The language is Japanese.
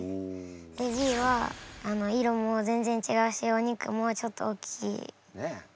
でＢは色も全然違うしお肉もちょっと大きいです。